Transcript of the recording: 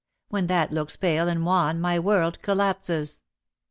When that looks pale and wan my world collapses.